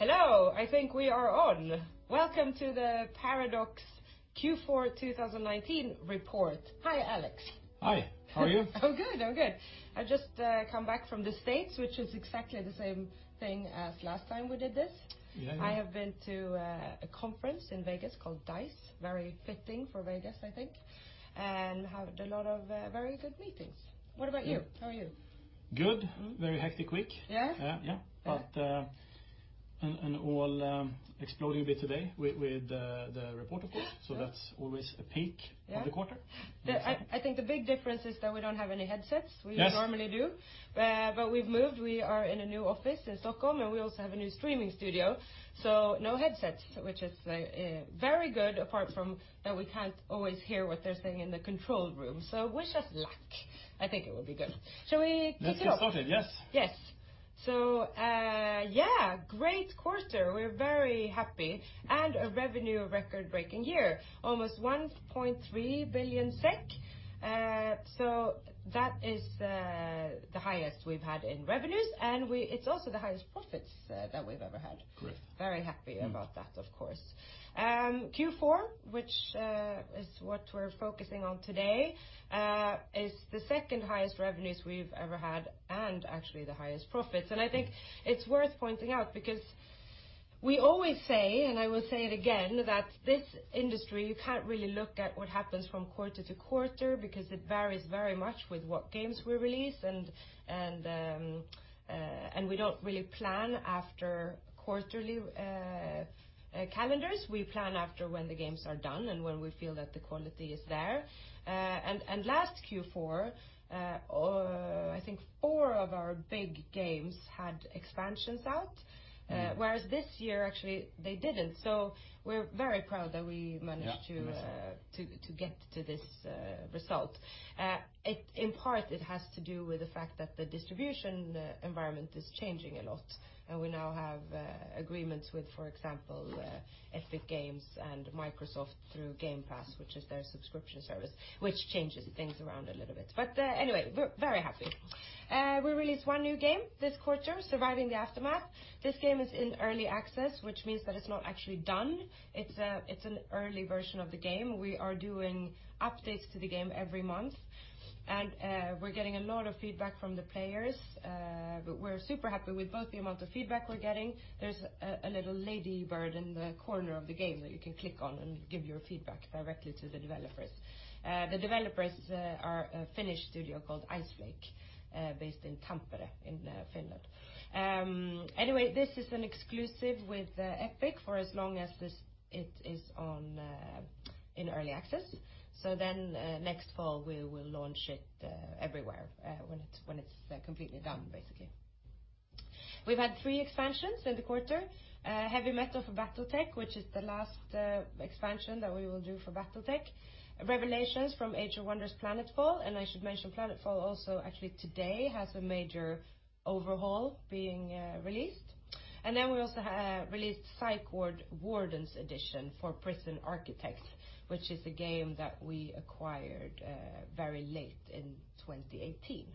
Hello, I think we are on. Welcome to the Paradox Q4 2019 report. Hi, Alex. Hi. How are you? I'm good. I've just come back from the States, which is exactly the same thing as last time we did this. Yeah. I have been to a conference in Vegas called D.I.C.E., very fitting for Vegas, I think, and had a lot of very good meetings. What about you? How are you? Good. Very hectic week. Yeah? Yeah. All exploding a bit today with the report, of course. That's always the peak of the quarter. Yeah. I think the big difference is that we don't have any headsets. Yes. We normally do. We've moved. We are in a new office in Stockholm, and we also have a new streaming studio. No headsets, which is very good apart from that we can't always hear what they're saying in the control room. Wish us luck. I think it will be good. Shall we kick off? Let's get started. Yes. Yes. Great quarter. We're very happy. A revenue record-breaking year, almost 1.3 billion SEK. That is the highest we've had in revenues, and it's also the highest profits that we've ever had. Great. Very happy about that of course. Q4, which is what we're focusing on today, is the second-highest revenue we've ever had and actually the highest profits. I think it's worth pointing out because we always say, and I will say it again, that this industry, you can't really look at what happens from quarter to quarter because it varies very much with what games we release and we don't really plan after quarterly calendars. We plan after when the games are done and when we feel that the quality is there. Last Q4, I think four of our big games had expansions out. Whereas this year, actually, they didn't. We're very proud that we managed Yeah. Nice. to get to this result. In part, it has to do with the fact that the distribution environment is changing a lot, and we now have agreements with, for example, Epic Games and Microsoft through Game Pass, which is their subscription service, which changes things around a little bit. Anyway, we're very happy. We released one new game this quarter, Surviving the Aftermath. This game is in early access, which means that it's not actually done. It's an early version of the game. We are doing updates to the game every month, and we're getting a lot of feedback from the players. We're super happy with both the amount of feedback we're getting. There's a little ladybird in the corner of the game that you can click on and give your feedback directly to the developers. The developers are a Finnish studio called Iceflake, based in Tampere, in Finland. This is an exclusive with Epic for as long as it is in early access. Next fall we will launch it everywhere, when it's completely done, basically. We've had three expansions in the quarter. Heavy Metal for BattleTech, which is the last expansion that we will do for BattleTech. Revelations from Age of Wonders: Planetfall, I should mention Planetfall also actually today has a major overhaul being released. We also released Psych Ward: Warden's Edition for Prison Architect, which is a game that we acquired very late in 2018.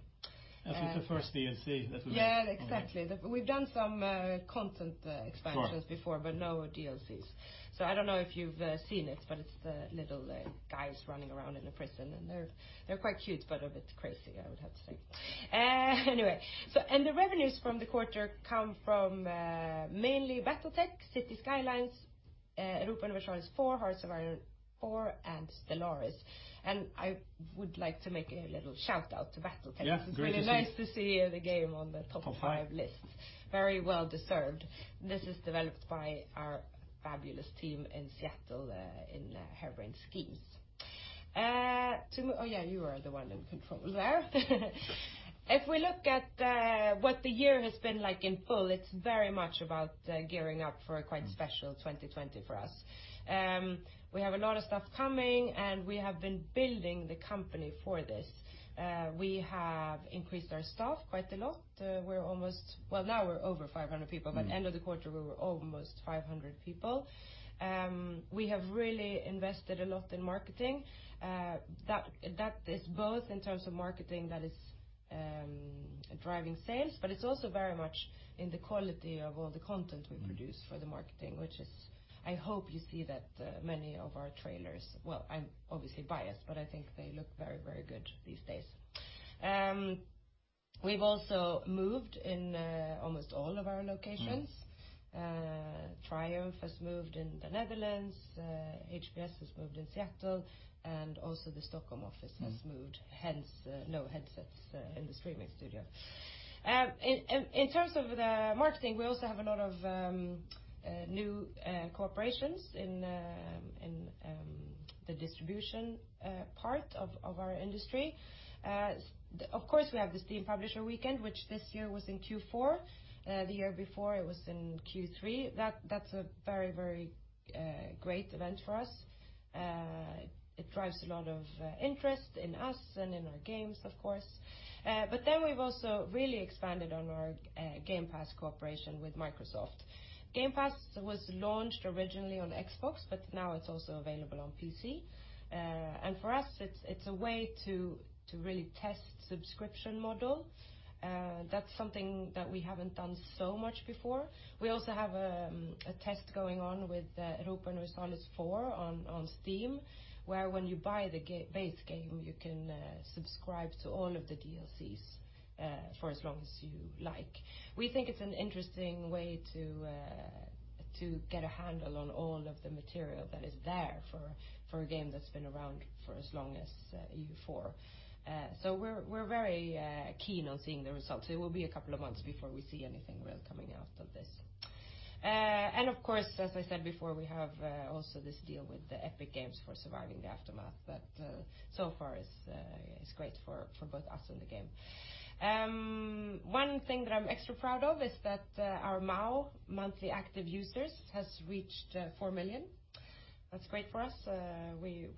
It's the first DLC that we've done. Yeah, exactly. We've done some content expansions before, no DLCs. I don't know if you've seen it, but it's the little guys running around in the prison, and they're quite cute, but a bit crazy, I would have to say. Anyway, the revenues from the quarter come from mainly BattleTech, Cities: Skylines, Europa Universalis IV, Hearts of Iron IV, and Stellaris. I would like to make a little shout-out to BattleTech. Yeah. Great to see. It's been nice to see the game on the top five list. Very well-deserved. This is developed by our fabulous team in Seattle, in Harebrained Schemes. Oh, yeah, you are the one in control there. If we look at what the year has been like in full, it's very much about gearing up for a quite special 2020 for us. We have a lot of stuff coming, and we have been building the company for this. We have increased our staff quite a lot. Well, now we're over 500 people, but end of the quarter, we were almost 500 people. We have really invested a lot in marketing. That is both in terms of marketing that is driving sales, but it's also very much in the quality of all the content we produce for the marketing. I hope you see that many of our trailers, I'm obviously biased, but I think they look very good these days. We've also moved in almost all of our locations. Triumph has moved in the Netherlands, HBS has moved in Seattle, and also the Stockholm office has moved, hence no headsets in the streaming studio. In terms of the marketing, we also have a lot of new cooperations in the distribution part of our industry. We have the Steam Publisher Weekend, which this year was in Q4. The year before it was in Q3. That's a very great event for us. It drives a lot of interest in us and in our games. We've also really expanded on our Game Pass cooperation with Microsoft. Game Pass was launched originally on Xbox, but now it's also available on PC. For us, it's a way to really test subscription models. That's something that we haven't done so much before. We also have a test going on with Europa Universalis IV on Steam, where when you buy the base game, you can subscribe to all of the DLCs for as long as you like. We think it's an interesting way to get a handle on all of the material that is there for a game that's been around for as long as EU4. We're very keen on seeing the results. It will be a couple of months before we see anything real coming out of this. Of course, as I said before, we have also this deal with Epic Games for Surviving the Aftermath that so far is great for both us and the game. One thing that I'm extra proud of is that our MAU, monthly active users, has reached 4 million. That's great for us. We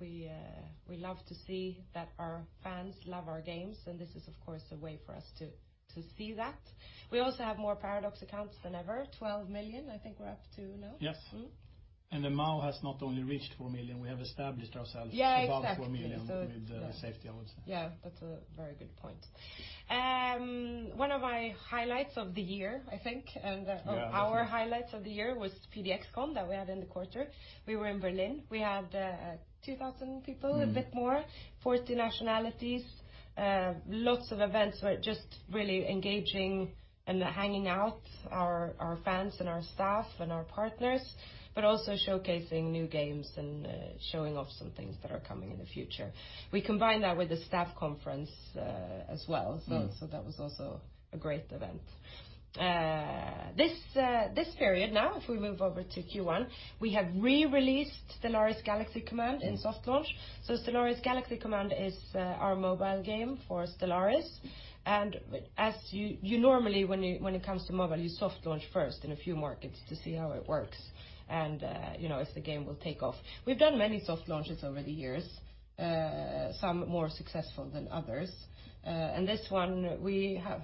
love to see that our fans love our games, and this is, of course, a way for us to see that. We also have more Paradox accounts than ever, 12 million, I think we're up to now. Yes. The MAU has not only reached 4 million, we have established ourselves. Yeah, exactly. Above 4 million with safety, I would say. Yeah, that's a very good point. One of my highlights of the year, I think one of our highlights of the year was PDXCon that we had in the quarter. We were in Berlin. We had 2,000 people. A bit more, 40 nationalities. Lots of events where just really engaging and hanging out our fans and our staff and our partners, but also showcasing new games and showing off some things that are coming in the future. We combined that with a staff conference as well. That was also a great event. This period now, if we move over to Q1, we have re-released Stellaris: Galaxy Command in soft launch. Stellaris: Galaxy Command is our mobile game for Stellaris, and as you normally when it comes to mobile, you soft launch first in a few markets to see how it works and if the game will take off. We've done many soft launches over the years, some more successful than others. This one we have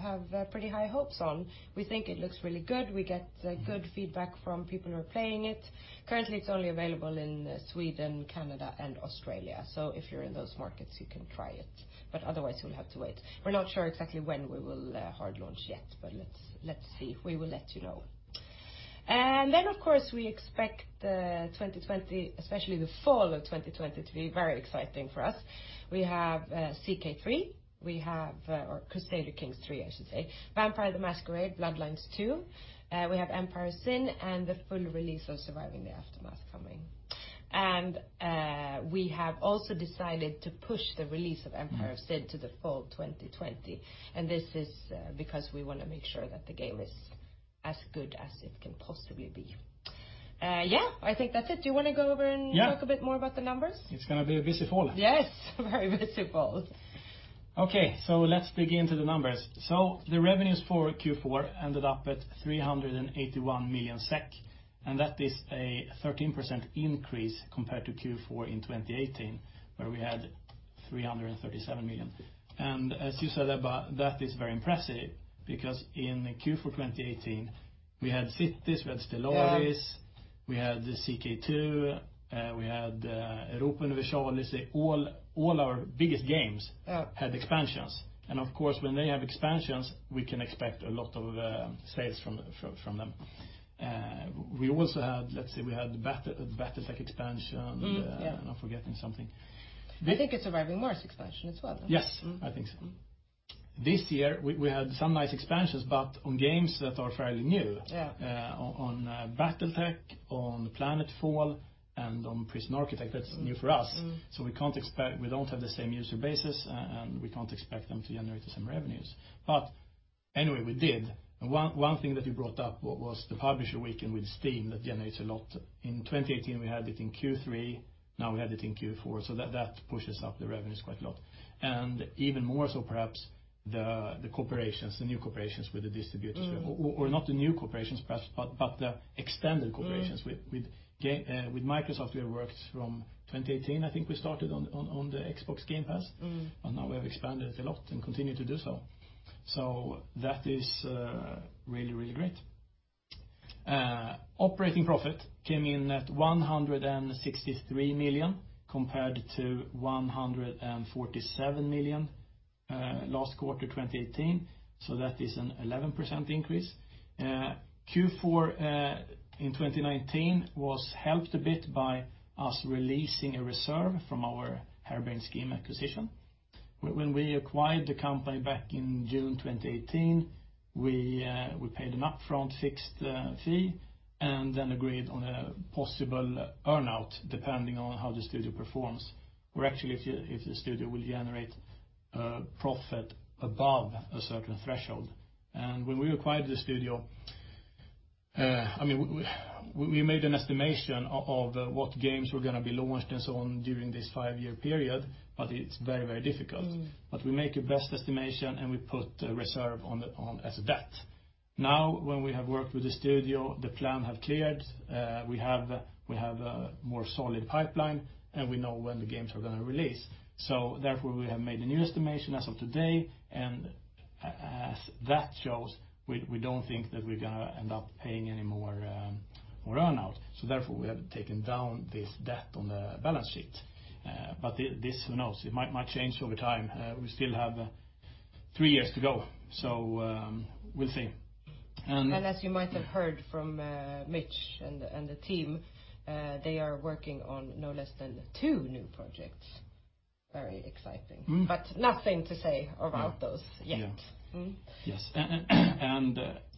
pretty high hopes on. We think it looks really good. We get good feedback from people who are playing it. Currently, it's only available in Sweden, Canada, and Australia. If you're in those markets, you can try it, but otherwise, you'll have to wait. We're not sure exactly when we will hard launch yet, but let's see. We will let you know. Of course, we expect 2020, especially the fall of 2020, to be very exciting for us. We have CK3. Or "Crusader Kings III," I should say. "Vampire: The Masquerade - Bloodlines 2." We have "Empire of Sin" and the full release of "Surviving the Aftermath" coming. We have also decided to push the release of "Empire of Sin" to the fall 2020, and this is because we want to make sure that the game is as good as it can possibly be. Yeah, I think that's it. Do you want to go over and talk a bit more about the numbers? It's going to be a busy fall. Yes, very busy fall. Okay, let's dig into the numbers. The revenues for Q4 ended up at 381 million SEK. That is a 13% increase compared to Q4 in 2018, where we had 337 million. As you said, Ebba, that is very impressive because in Q4 2018, we had "Cities," we had "Stellaris we had the CK2, we had Europa Universalis, all our biggest games had expansions. Of course, when they have expansions, we can expect a lot of sales from them. We also had, let's see, we had the BattleTech expansion. Yeah. Am I forgetting something? I think it's Surviving Mars expansion as well. Yes. I think so. This year, we had some nice expansions, but on games that are fairly new. Yeah. On BattleTech, on Planetfall, and on Prison Architect, that's new for us. We don't have the same user bases, and we can't expect them to generate the same revenues. Anyway, we did. One thing that you brought up was the Publisher Weekend with Steam that generates a lot. In 2018, we had it in Q3, now we had it in Q4, so that pushes up the revenues quite a lot. Even more so perhaps, the new cooperations with the distributors. Not the new cooperations perhaps, but the extended cooperations with Microsoft, we worked from 2018, I think we started on the Xbox Game Pass. Now we have expanded it a lot and continue to do so. That is really great. Operating profit came in at 163 million compared to 147 million last quarter 2018, so that is an 11% increase. Q4 in 2019 was helped a bit by us releasing a reserve from our Harebrained Schemes acquisition. When we acquired the company back in June 2018, we paid an upfront fixed fee and then agreed on a possible earn-out depending on how the studio performs, or actually if the studio will generate profit above a certain threshold. When we acquired the studio, we made an estimation of what games were going to be launched and so on during this five-year period, but it is very difficult. We make a best estimation, and we put a reserve on as a debt. Now, when we have worked with the studio, the plan have cleared. We have a more solid pipeline, and we know when the games are going to release. Therefore, we have made a new estimation as of today, and as that shows, we don't think that we're going to end up paying any more on earn-out. Therefore, we have taken down this debt on the balance sheet. This, who knows? It might change over time. We still have three years to go, so we'll see. As you might have heard from Mitch and the team, they are working on no less than two new projects. Very exciting. Nothing to say about those yet. Yeah. Yes.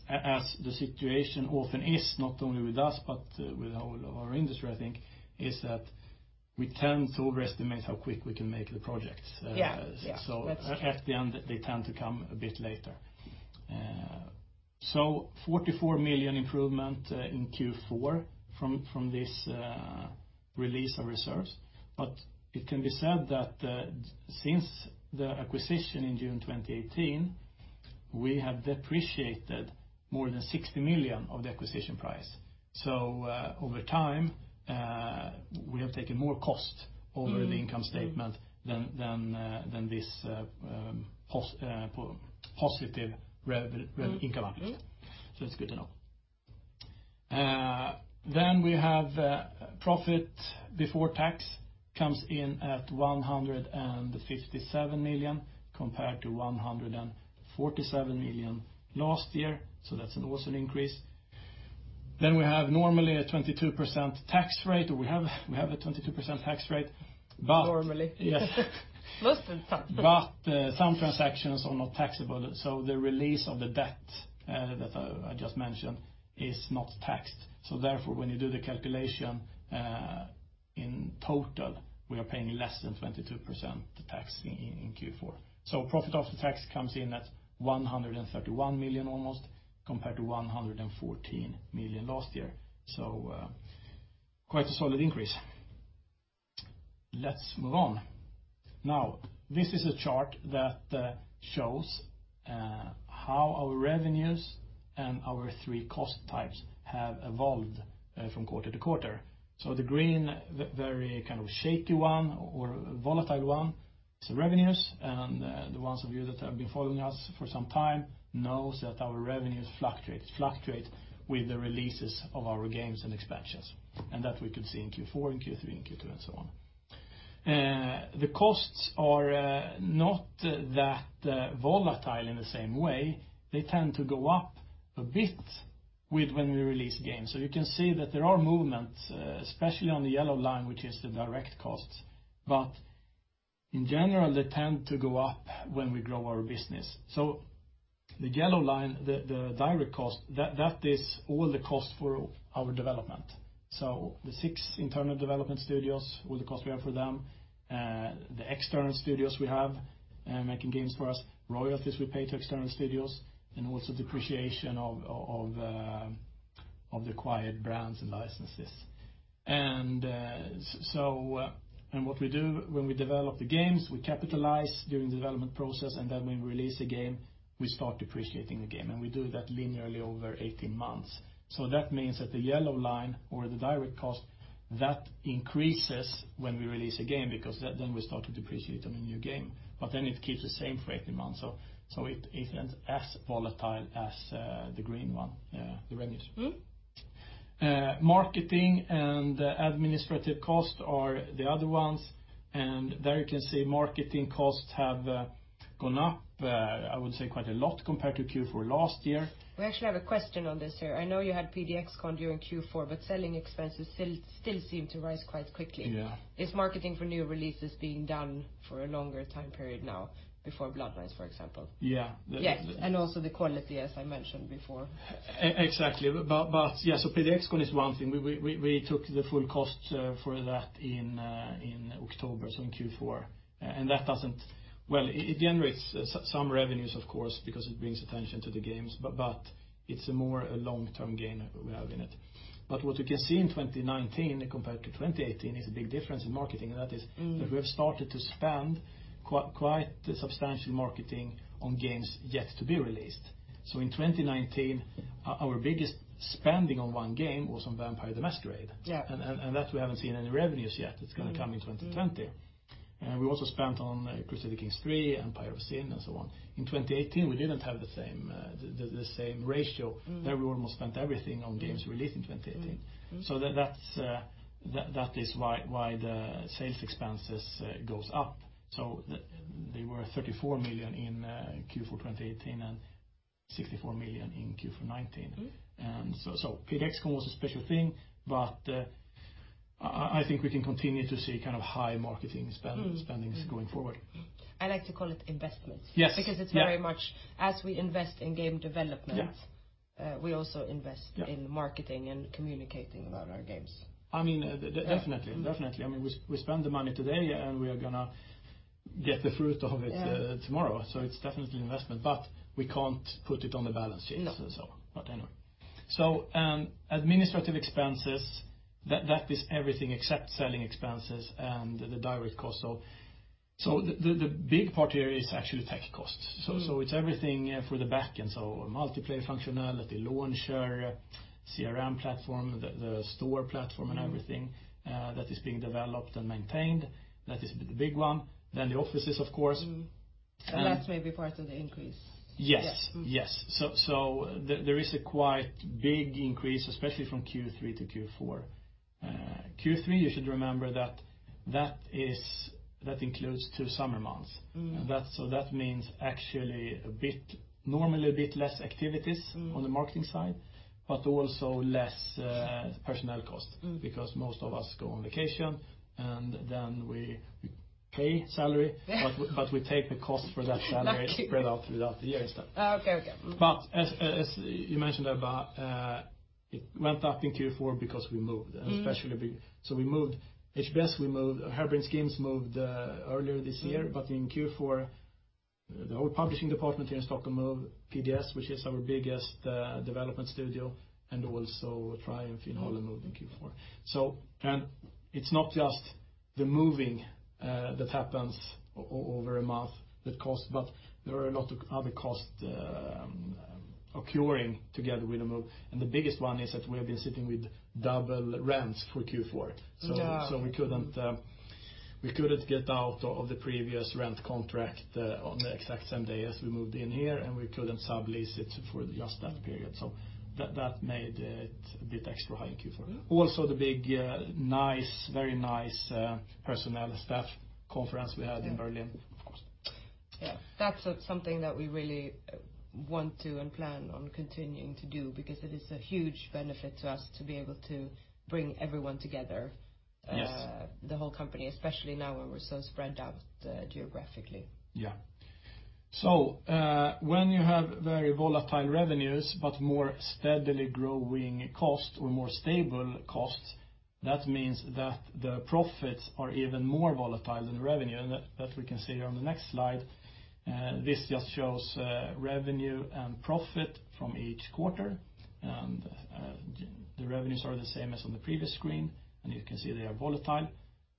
As the situation often is, not only with us but with all of our industry, I think, is that we tend to overestimate how quick we can make the projects. Yeah. That's true. At the end, they tend to come a bit later. 44 million improvement in Q4 from this release of reserves. It can be said that since the acquisition in June 2018, we have depreciated more than 60 million of the acquisition price. Over time, we have taken more cost over the income statement than this positive revenue income obviously. It's good to know. We have profit before tax comes in at 157 million compared to 147 million last year, that's an awesome increase. We have normally a 22% tax rate. Normally. Most of the time Some transactions are not taxable, so the release of the debt that I just mentioned is not taxed. When you do the calculation, in total, we are paying less than 22% tax in Q4. Profit after tax comes in at 131 million almost compared to 114 million last year. Quite a solid increase. Let's move on. This is a chart that shows how our revenues and our three cost types have evolved from quarter to quarter. The green, very kind of shaky one or volatile one, is revenues. The ones of you that have been following us for some time know that our revenues fluctuate with the releases of our games and expansions. That we could see in Q4 and Q3 and Q2 and so on. The costs are not that volatile in the same way. They tend to go up a bit when we release games. You can see that there are movements, especially on the yellow line, which is the direct costs. In general, they tend to go up when we grow our business. The yellow line, the direct cost, that is all the cost for our development. The six internal development studios, all the costs we have for them, the external studios we have making games for us, royalties we pay to external studios, and also depreciation of the acquired brands and licenses. What we do when we develop the games, we capitalize during the development process, and then when we release a game, we start depreciating the game. We do that linearly over 18 months. That means that the yellow line or the direct cost, that increases when we release a game because then we start to depreciate on a new game. It keeps the same for 18 months, so it isn't as volatile as the green one, the revenues. Marketing and administrative costs are the other ones, there you can see marketing costs have gone up, I would say quite a lot compared to Q4 last year. We actually have a question on this here. I know you had PDXCon during Q4, but selling expenses still seem to rise quite quickly. Yeah. Is marketing for new releases being done for a longer time period now, before Bloodlines, for example? Yeah. Yes, also the quality, as I mentioned before. Exactly. PDXCon is one thing. We took the full cost for that in October, so in Q4. Well, it generates some revenues, of course, because it brings attention to the games, but it's a more long-term gain we have in it. What you can see in 2019 compared to 2018 is a big difference in marketing. We have started to spend quite substantial marketing on games yet to be released. In 2019, our biggest spending on one game was on Vampire: The Masquerade that we haven't seen any revenues yet. It's going to come in 2020. We also spent on "Crusader Kings III," "Empire of Sin," and so on. In 2018, we didn't have the same ratio. There we almost spent everything on games released in 2018. That is why the sales expenses goes up. They were 34 million in Q4 2018 and 64 million in Q4 2019. PDXCon was a special thing, but I think we can continue to see kind of high marketing spendings going forward. I like to call it investments. Yes. Yeah. It's very much as we invest in game development, we also invest in marketing and communicating about our games. Definitely. We spend the money today. Get the fruit of it tomorrow. It's definitely investment, but we can't put it on the balance sheet. So on, but anyway. Administrative expenses, that is everything except selling expenses and the direct cost. The big part here is actually tech costs. It's everything for the backend, so our multiplayer functionality, launcher, CRM platform, the store platform and everything that is being developed and maintained. That is the big one. The offices, of course. That's maybe part of the increase. Yes. There is a quite big increase, especially from Q3 to Q4. Q3, you should remember that includes two summer months. That means actually normally a bit less activities on the marketing side, but also less personnel cost. Most of us go on vacation, and then we pay salary, but we take the cost for that salary spread out throughout the year instead. Oh, okay. As you mentioned about, it went up in Q4 because we moved, especially big we moved HBS, Harebrained Schemes moved earlier this year. In Q4, the whole publishing department here in Stockholm moved, PDS, which is our biggest development studio, and also Triumph in Holland moved in Q4. It's not just the moving that happens over a month that costs, but there are a lot of other costs occurring together with the move, and the biggest one is that we have been sitting with double rents for Q4. Yeah. We couldn't get out of the previous rent contract on the exact same day as we moved in here, and we couldn't sublease it for just that period. That made it a bit extra high in Q4. Also the big nice, very nice personnel staff conference we had in Berlin, of course. Yeah. That's something that we really want to and plan on continuing to do because it is a huge benefit to us to be able to bring everyone together. The whole company, especially now when we're so spread out geographically. Yeah. When you have very volatile revenues but more steadily growing cost or more stable costs, that means that the profits are even more volatile than the revenue. That we can see here on the next slide. This just shows revenue and profit from each quarter. The revenues are the same as on the previous screen. You can see they are volatile.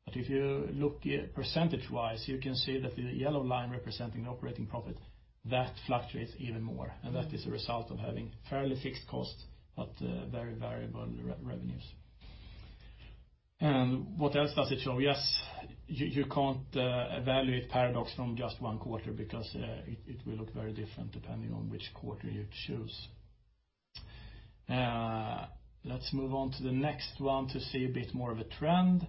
If you look percentage-wise, you can see that the yellow line representing the operating profit, that fluctuates even more. That is a result of having fairly fixed cost but very variable revenues. What else does it show? Yes, you can't evaluate Paradox from just one quarter because it will look very different depending on which quarter you choose. Let's move on to the next one to see a bit more of a trend.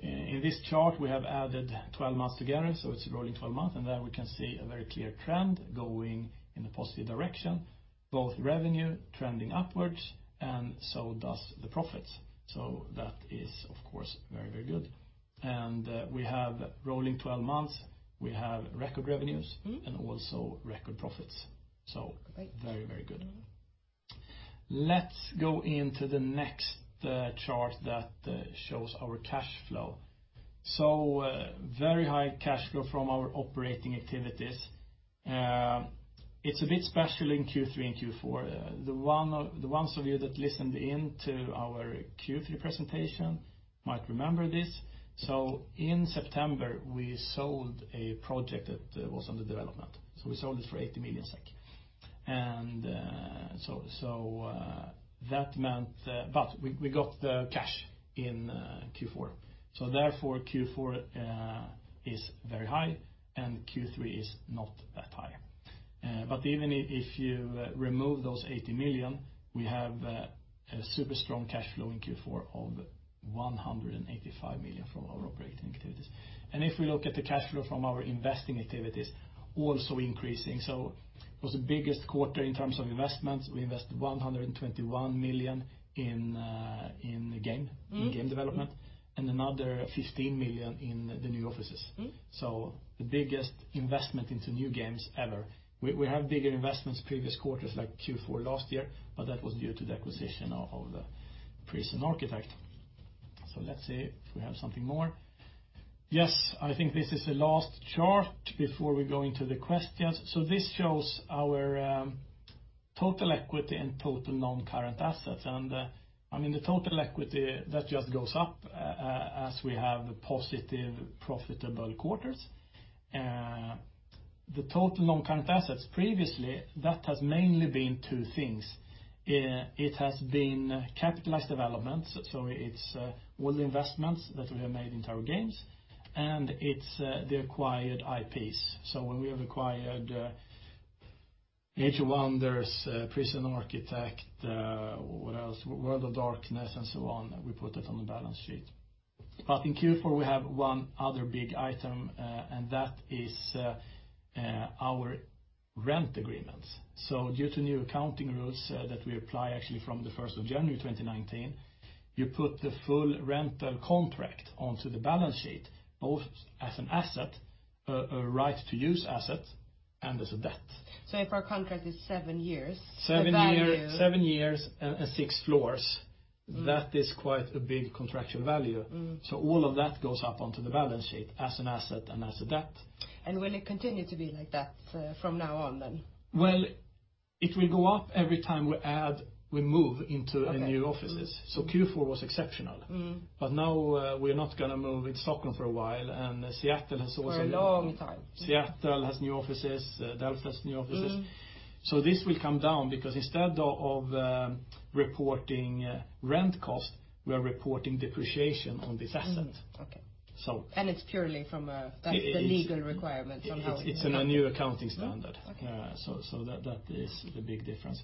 In this chart, we have added 12 months together, so it's rolling 12 months. There we can see a very clear trend going in a positive direction, both revenue trending upwards, and so does the profits. That is, of course, very good. We have rolling 12 months, we have record revenues. Also record profits. Very, very good. Let's go into the next chart that shows our cash flow. Very high cash flow from our operating activities. It's a bit special in Q3 and Q4. The ones of you that listened in to our Q3 presentation might remember this. In September, we sold a project that was under development, so we sold it for 80 million SEK. We got the cash in Q4. Therefore, Q4 is very high, and Q3 is not that high. Even if you remove those 80 million, we have a super strong cash flow in Q4 of 185 million from our operating activities. If we look at the cash flow from our investing activities, also increasing. It was the biggest quarter in terms of investments. We invested 121 million in game in game development, and another 15 million in the new offices. The biggest investment into new games ever. We have bigger investments previous quarters like Q4 last year, but that was due to the acquisition of "Prison Architect." Let's see if we have something more. Yes, I think this is the last chart before we go into the questions. This shows our total equity and total non-current assets. The total equity, that just goes up as we have positive profitable quarters. The total non-current assets, previously, that has mainly been two things. It has been capitalized developments, so it's all the investments that we have made into our games, and it's the acquired IPs. When we have acquired "Age of Wonders," "Prison Architect," what else? "World of Darkness" and so on, we put that on the balance sheet. In Q4, we have one other big item, and that is our rent agreements. Due to new accounting rules that we apply actually from the 1st January, 2019, you put the full rental contract onto the balance sheet, both as an asset, a right to use asset, and as a debt. If our contract is seven years. Seven years and six floors. That is quite a big contractual value. All of that goes up onto the balance sheet as an asset and as a debt. Will it continue to be like that from now on then? Well, it will go up every time we move into new offices. Q4 was exceptional. Now we're not going to move in Stockholm for a while. For a long time. Seattle has new offices, Dallas has new offices. This will come down because instead of reporting rent cost, we are reporting depreciation on this asset. Okay. It's purely from a. That's the legal requirement from. It's in a new accounting standard. Okay. That is the big difference.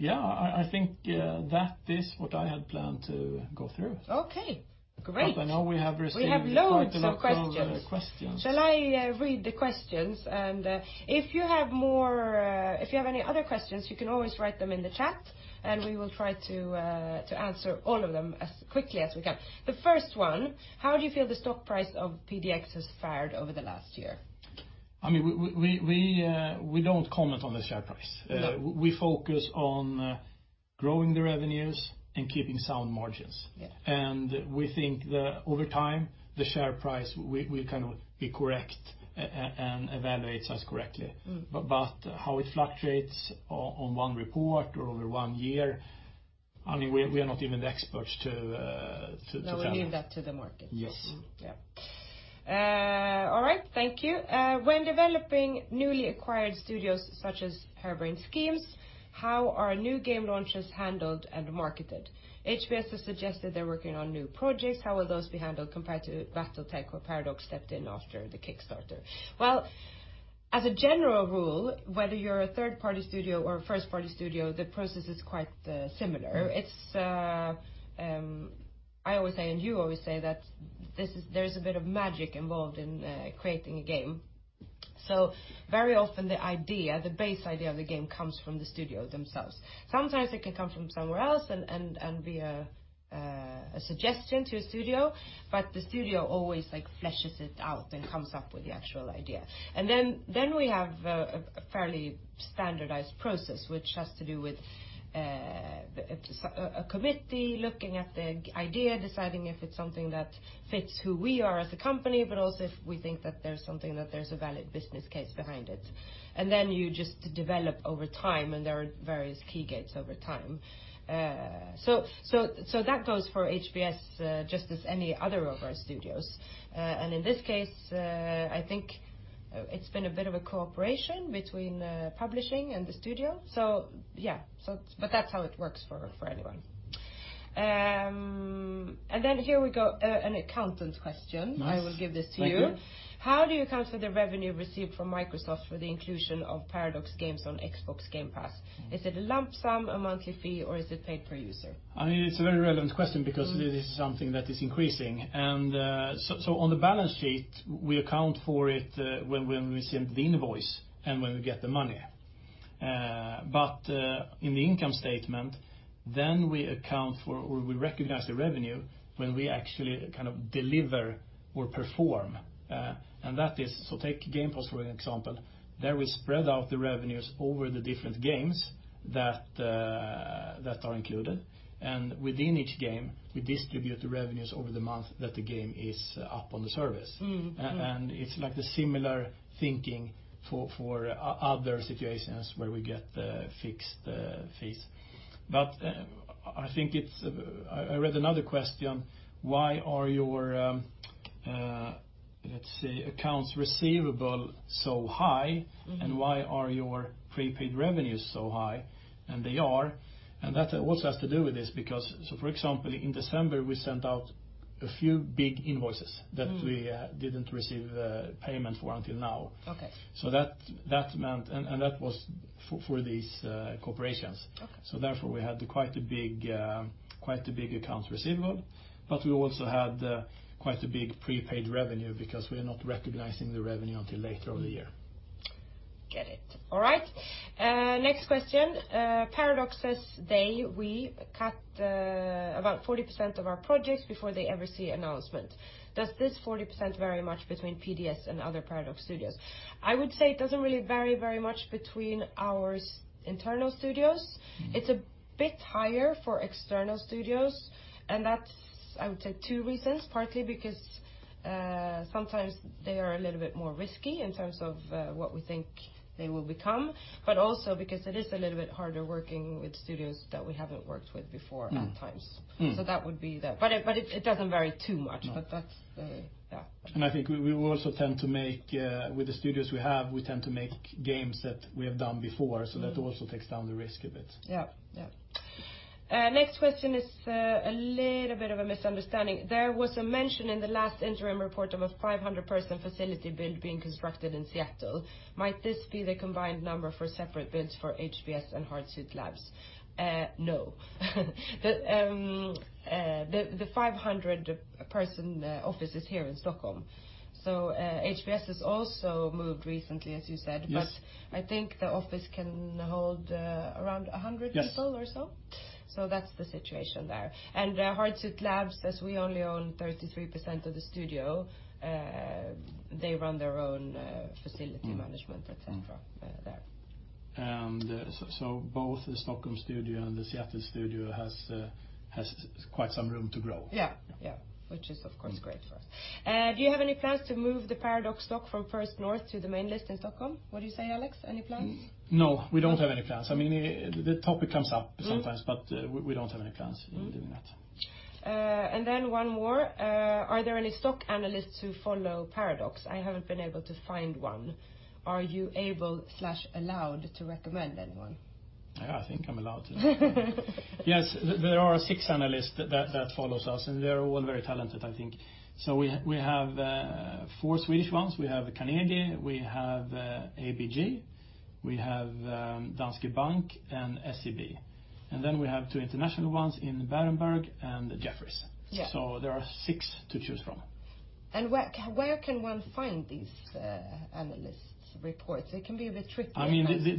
Yeah, I think that is what I had planned to go through. Okay, great. I know we have received quite a lot of questions. We have loads of questions Shall I read the questions? If you have any other questions, you can always write them in the chat, and we will try to answer all of them as quickly as we can. The first one: how do you feel the stock price of PDX has fared over the last year? We don't comment on the share price. No. We focus on growing the revenues and keeping sound margins. Yeah. We think that over time, the share price will kind of be correct and evaluates us correctly. How it fluctuates on one report or over one year, we are not even the experts to tell. No, we leave that to the market. Yes. Yeah. All right, thank you. When developing newly acquired studios such as Harebrained Schemes, how are new game launches handled and marketed? HBS has suggested they're working on new projects, how will those be handled compared to BattleTech, where Paradox stepped in after the Kickstarter? Well, as a general rule, whether you're a third-party studio or a first-party studio, the process is quite similar. I always say, and you always say that there's a bit of magic involved in creating a game. Very often the base idea of the game comes from the studio themselves. Sometimes it can come from somewhere else and be a suggestion to a studio, but the studio always fleshes it out and comes up with the actual idea. We have a fairly standardized process, which has to do with a committee looking at the idea, deciding if it's something that fits who we are as a company, but also if we think that there's a valid business case behind it. You just develop over time, and there are various key gates over time. That goes for HBS, just as any other of our studios. In this case, I think it's been a bit of a cooperation between publishing and the studio. Yeah, but that's how it works for anyone. Here we go, an accountant question. Nice. I will give this to you. Thank you. How do you account for the revenue received from Microsoft for the inclusion of Paradox games on Xbox Game Pass? Is it a lump sum, a monthly fee, or is it paid per user? It's a very relevant question because. This is something that is increasing. On the balance sheet, we account for it when we send the invoice and when we get the money. In the income statement, then we account for, or we recognize the revenue, when we actually deliver or perform. Take Game Pass, for example, there we spread out the revenues over the different games that are included. Within each game, we distribute the revenues over the month that the game is up on the service. It's like the similar thinking for other situations where we get fixed fees. I read another question, why are your, let's see, accounts receivable so high, why are your prepaid revenues so high? They are, and that also has to do with this because, for example, in December, we sent out a few big invoices that we didn't receive payment for until now. Okay. That was for these corporations. Therefore, we had quite a big accounts receivable, but we also had quite a big prepaid revenue because we are not recognizing the revenue until later in the year. Get it. All right. Next question. Paradox says we cut about 40% of our projects before they ever see announcement. Does this 40% vary much between PDS and other Paradox studios? I would say it doesn't really vary very much between our internal studios. It's a bit higher for external studios, and that's, I would say, two reasons, partly because sometimes they are a little bit riskier in terms of what we think they will become, but also because it is a little bit harder working with studios that we haven't worked with before at times. That would be that. It doesn't vary too much. I think with the studios we have, we tend to make games that we have done before. That also takes down the risk a bit. Next question is a little bit of a misunderstanding. There was a mention in the last interim report of a 500-person facility build being constructed in Seattle. Might this be the combined number for separate builds for HBS and Hardsuit Labs? No. The 500-person office is here in Stockholm. HBS has also moved recently, as you said. I think the office can hold around 100 people or so. Yes. That's the situation there. Hardsuit Labs, as we only own 33% of the studio, they run their own facility management, et cetera. Both the Stockholm studio and the Seattle studio has quite some room to grow. Yeah. Which is, of course, great for us. Do you have any plans to move the Paradox stock from First North to the main list in Stockholm? What do you say, Alex? Any plans? No, we don't have any plans. The topic comes up sometimes, but we don't have any plans in doing that. One more, are there any stock analysts who follow Paradox? I haven't been able to find one. Are you able/allowed to recommend anyone? Yeah, I think I'm allowed to. Yes, there are six analysts that follows us, and they are all very talented, I think. We have four Swedish ones. We have Carnegie, we have ABG, we have Danske Bank, and SEB. We have two international ones in Berenberg and Jefferies. Yeah. There are six to choose from. Where can one find these analysts' reports? It can be a bit tricky.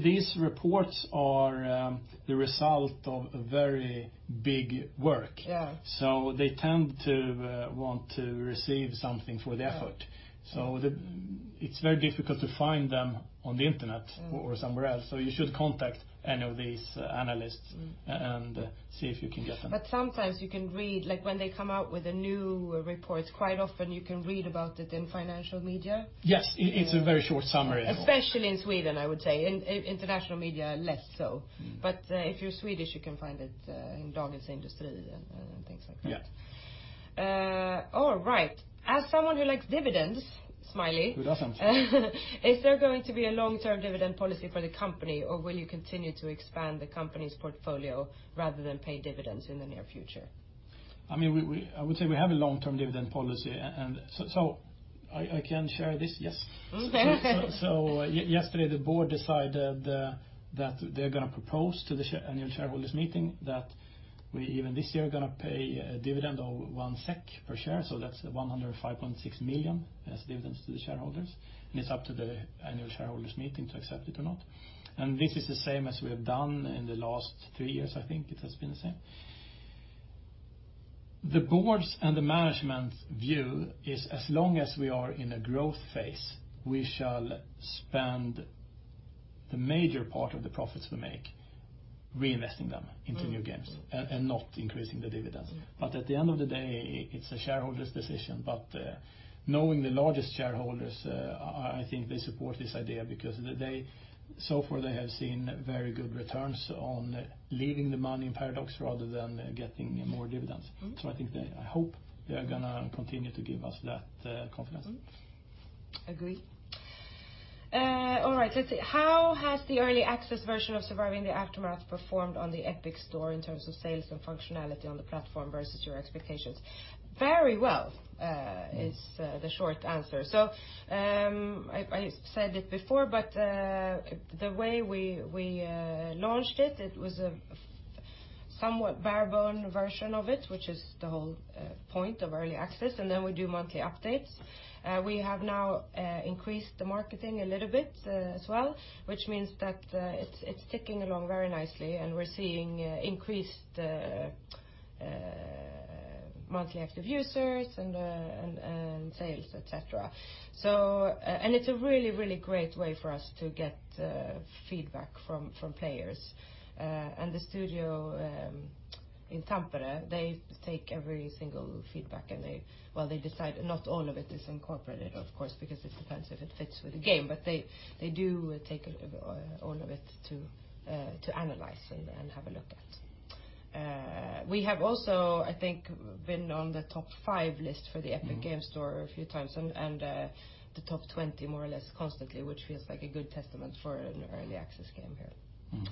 These reports are the result of very big work. Yeah. They tend to want to receive something for the effort. Yeah. It's very difficult to find them on the internet or somewhere else. You should contact any of these analysts and see if you can get them. Sometimes you can read, like when they come out with a new report, quite often you can read about it in financial media. Yes, it's a very short summary. Especially in Sweden, I would say. In international media, less so. If you're Swedish, you can find it in Dagens Industri and things like that. Yeah. All right. As someone who likes dividends, smiley. Who doesn't? Is there going to be a long-term dividend policy for the company, or will you continue to expand the company's portfolio rather than pay dividends in the near future? I would say we have a long-term dividend policy. I can share this, yes. Yesterday, the board decided that they're going to propose to the annual shareholders' meeting that we, even this year, are going to pay a dividend of 1 SEK per share. That's 105.6 million as dividends to the shareholders, and it's up to the annual shareholders' meeting to accept it or not. This is the same as we have done in the last three years, I think it has been the same. The board's and the management view is as long as we are in a growth phase, we shall spend the major part of the profits we make reinvesting them into new games and not increasing the dividends. At the end of the day, it's a shareholder's decision. Knowing the largest shareholders, I think they support this idea because so far they have seen very good returns on leaving the money in Paradox rather than getting more dividends. I hope they are going to continue to give us that confidence. Agree. All right, let's see. How has the early access version of "Surviving the Aftermath" performed on the Epic Store in terms of sales and functionality on the platform versus your expectations? Very well is the short answer. I said it before, but the way we launched it was a somewhat bare bone version of it, which is the whole point of early access, and then we do monthly updates. We have now increased the marketing a little bit as well, which means that it's ticking along very nicely, and we're seeing increased monthly active users and sales, et cetera. It's a really great way for us to get feedback from players. The studio in Tampere, they take every single feedback and they decide, not all of it is incorporated, of course, because it depends if it fits with the game. They do take all of it to analyze and have a look at. We have also, I think, been on the top five list for the Epic Games Store a few times, and the top 20 more or less constantly, which feels like a good testament for an early access game here.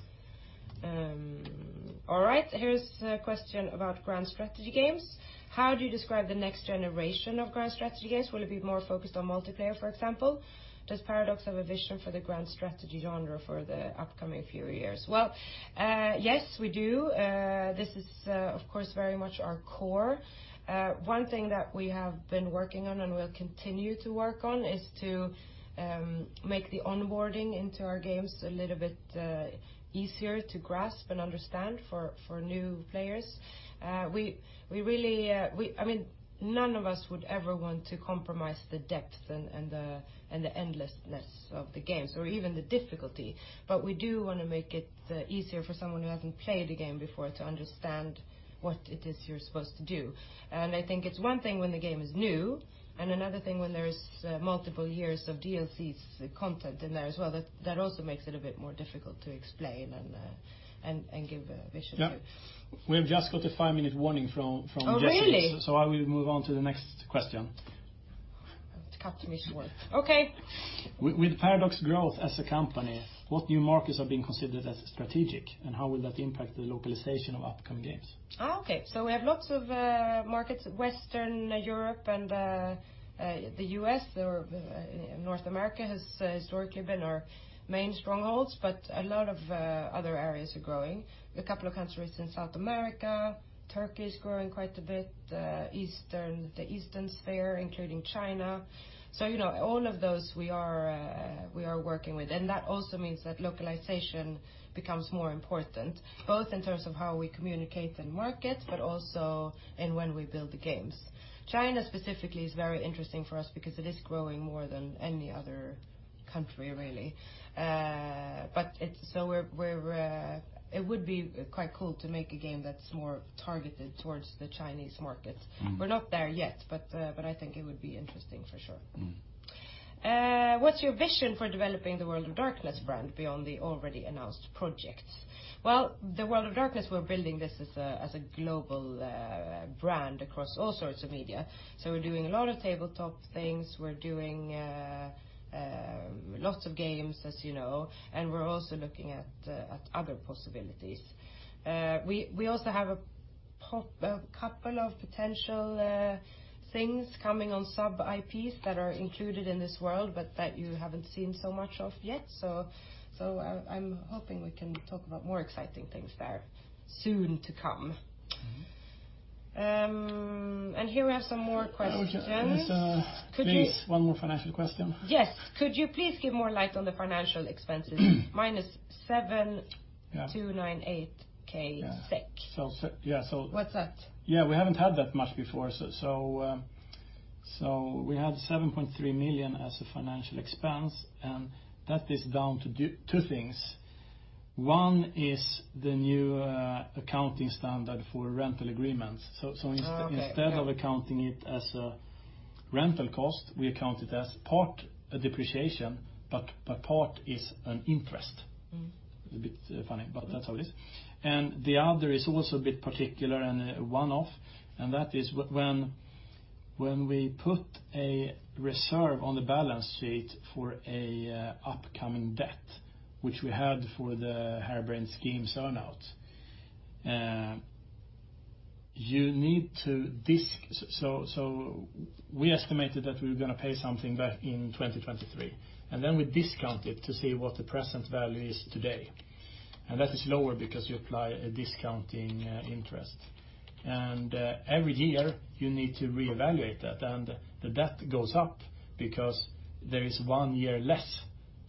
All right. Here's a question about grand strategy games. How do you describe the next generation of grand strategy games? Will it be more focused on multiplayer, for example? Does Paradox have a vision for the grand strategy genre for the upcoming few years? Well, yes, we do. This is, of course, very much our core. One thing that we have been working on and will continue to work on is to make the onboarding into our games a little bit easier to grasp and understand for new players. None of us would ever want to compromise the depth and the endlessness of the games or even the difficulty. We do want to make it easier for someone who hasn't played a game before to understand what it is you're supposed to do. I think it's one thing when the game is new and another thing when there is multiple years of DLCs content in there as well. That also makes it a bit more difficult to explain and give a vision to. Yeah. We have just got a five-minute warning from Jesse. Oh, really? I will move on to the next question. Cut me short. Okay. With Paradox growth as a company, what new markets are being considered as strategic, and how will that impact the localization of upcoming games? Okay. We have lots of markets, Western Europe and the U.S., or North America has historically been our main strongholds, but a lot of other areas are growing. A couple of countries in South America. Turkey's growing quite a bit. The Eastern sphere, including China. All of those we are working with. That also means that localization becomes more important, both in terms of how we communicate and market, but also in when we build the games. China specifically is very interesting for us because it is growing more than any other country, really. It would be quite cool to make a game that's more targeted towards the Chinese market. We're not there yet, but I think it would be interesting for sure. What's your vision for developing the World of Darkness brand beyond the already announced projects? Well, the World of Darkness, we're building this as a global brand across all sorts of media. We're doing a lot of tabletop things. We're doing lots of games, as you know. We're also looking at other possibilities. We also have a couple of potential things coming on sub-IPs that are included in this world, but that you haven't seen so much of yet. I'm hoping we can talk about more exciting things there soon to come. Here we have some more questions. Please, one more financial question. Yes. Could you please give more light on the financial expenses? Minus 7,298 thousand. Yeah. What's that? Yeah, we haven't had that much before. We had 7.3 million as a financial expense, and that is down to two things. One is the new accounting standard for rental agreements. Instead of accounting it as a rental cost, we account it as part depreciation, but part is an interest. It's a bit funny, but that's how it is. The other is also a bit particular and a one-off, and that is when we put a reserve on the balance sheet for a upcoming debt, which we had for the Harebrained Schemes earn-out. We estimated that we were going to pay something back in 2023, and then we discount it to see what the present value is today, and that is lower because you apply a discounting interest. Every year you need to reevaluate that, and the debt goes up because there is one year less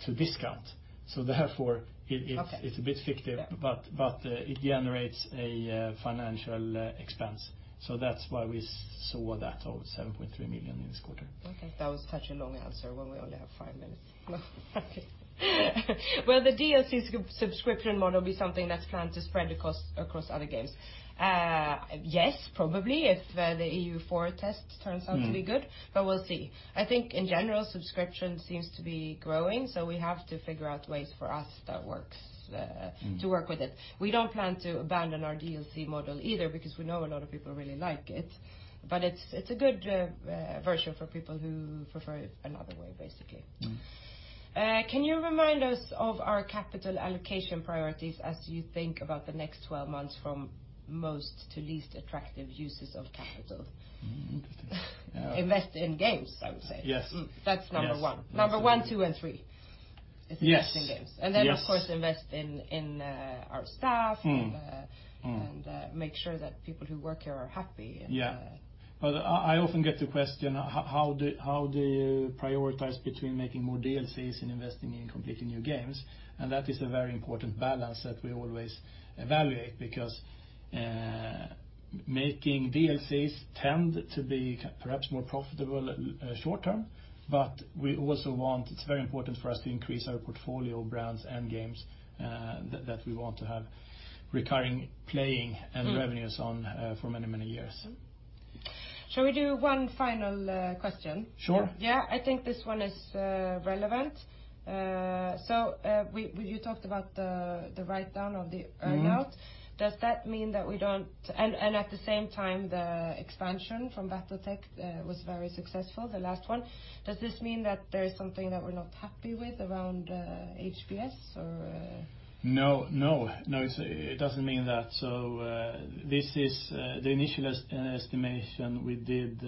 to discount. Therefore it's a bit fictive. Yeah It generates a financial expense. That's why we saw that of 7.3 million in this quarter. Okay. That was such a long answer when we only have five minutes. The DLC subscription model will be something that's planned to spread across other games? Yes, probably, if the EU4 test turns out to be good, but we'll see. I think in general, subscription seems to be growing, so we have to figure out ways for us that works to work with it. We don't plan to abandon our DLC model either because we know a lot of people really like it, but it's a good version for people who prefer another way, basically. Can you remind us of our capital allocation priorities as you think about the next 12 months from most to least attractive uses of capital? Interesting. Yeah. Invest in games, I would say. Yes. That's number one. Yes. Number one, two, and three. Yes Invest in games. Yes. Of course, invest in our staff. Make sure that people who work here are happy. I often get the question, how do you prioritize between making more DLCs and investing in completely new games? That is a very important balance that we always evaluate because making DLCs tend to be perhaps more profitable short term, but it's very important for us to increase our portfolio brands and games that we want to have recurring playing revenues on for many, many years. Shall we do one final question? Sure. Yeah. I think this one is relevant. You talked about the write-down of the earnout. At the same time, the expansion from BattleTech was very successful, the last one. Does this mean that there is something that we're not happy with around HBS or? No, it doesn't mean that. The initial estimation we did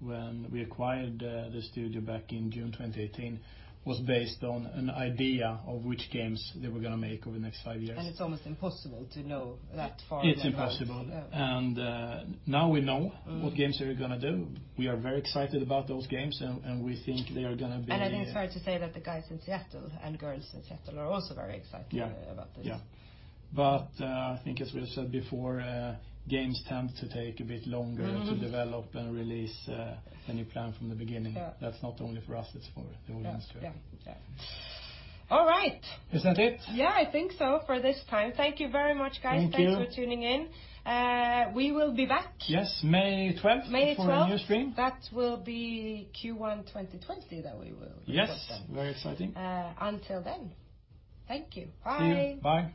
when we acquired the studio back in June 2018 was based on an idea of which games they were going to make over the next five years. It's almost impossible to know that far in advance. It's impossible. Yeah. Now we know what games they are going to do. We are very excited about those games. I think it's fair to say that the guys in Seattle, and girls in Seattle, are also very excited about this. Yeah. I think as we have said before, games tend to take a bit longer to develop and release than you plan from the beginning. Yeah. That's not only for us, it's for the whole industry. Yeah. All right. Is that it? I think so for this time. Thank you very much, guys. Thank you. Thanks for tuning in. We will be back. Yes, May 12th. May 12th. For a new stream. That will be Q1 2020 that we will be back then. Yes. Very exciting. Until then, thank you. Bye. See you. Bye.